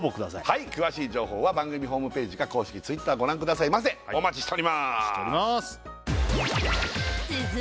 はい詳しい情報は番組ホームページか公式Ｔｗｉｔｔｅｒご覧くださいませお待ちしておりますお待ちしております